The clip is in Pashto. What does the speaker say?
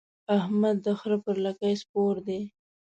احمد د خره پر لکۍ سپور دی.